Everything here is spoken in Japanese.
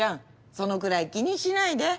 そのくらい気にしないで。